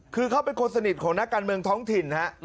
คือเขาเป็นคนสนิทของนักการเมืองท้องถิ่นฮะ